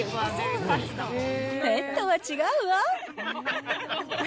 ペットは違うわ。